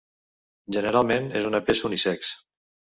Generalment és una peça unisex.